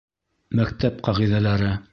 Мәктәп ҡағиҙәләре